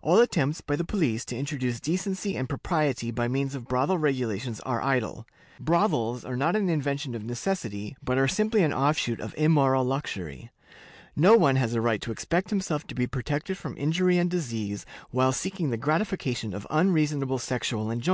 All attempts by the police to introduce decency and propriety by means of brothel regulations are idle. Brothels are not an invention of necessity, but are simply an offshoot of immoral luxury.(?) No one has a right to expect himself to be protected from injury and disease while seeking the gratification of unreasonable sexual enjoyments.